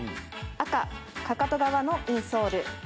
赤・かかと側のインソール。